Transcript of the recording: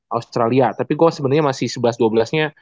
australia tapi gue sebenarnya masih sebelas dua belas nya